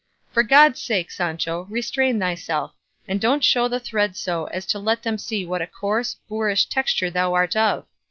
For God's sake, Sancho, restrain thyself, and don't show the thread so as to let them see what a coarse, boorish texture thou art of.